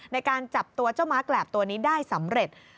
ในการจับตัวเจ้าม้าแกรบตัวนี้ได้สำเร็จ